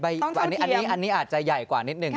อันนี้อาจจะใหญ่กว่านิดนึง